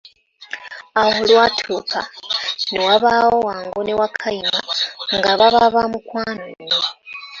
Awo olwatuuka na wabaawo Wango ne Wakayima nga baba bamukwano nnyo